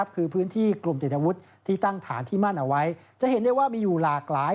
คือพื้นที่กลุ่มติดอาวุธที่ตั้งฐานที่มั่นเอาไว้จะเห็นได้ว่ามีอยู่หลากหลาย